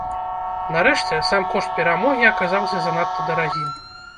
Нарэшце, сам кошт перамогі аказаўся занадта дарагім.